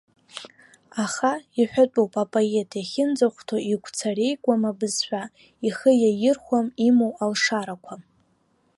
Аха, иҳәатәуп, апоет иахьынӡахәҭоу игәцареикуам абызшәа, ихы иаирхәом имоу алшарақәа.